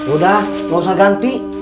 udah gak usah ganti